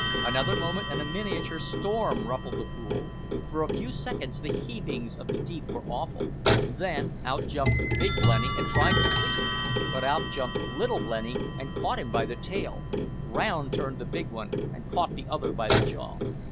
Another moment and a miniature storm ruffled the pool: for a few seconds the heavings of the deep were awful; then, out jumped Big Blenny and tried to flee, but out jumped Little Blenny and caught him by the tail; round turned the big one and caught the other by the jaw.